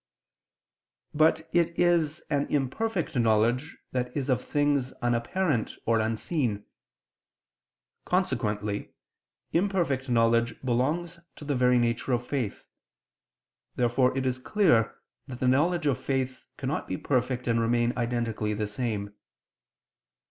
But it is an imperfect knowledge that is of things unapparent or unseen. Consequently imperfect knowledge belongs to the very nature of faith: therefore it is clear that the knowledge of faith cannot be perfect and remain identically the same.